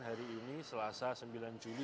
hari ini selasa sembilan juli